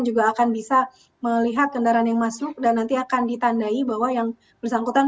juga akan bisa melihat kendaraan yang masuk dan nanti akan ditandai bahwa yang bersangkutan